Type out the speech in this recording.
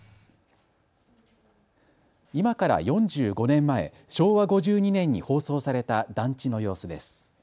今から４５年前、昭和５２年に放送された団地の様子です。